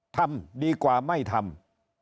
ทำดีกว่าไม่ทำ